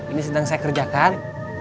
ini sedang saya kerjakan